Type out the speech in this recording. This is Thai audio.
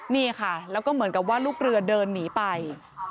นี่ค่ะแล้วก็เหมือนกับว่าลูกเรือเดินหนีไป